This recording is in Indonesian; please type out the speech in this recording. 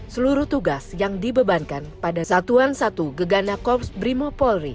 seluruh tugas yang dibebankan pada satuan satu gegana korps brimo polri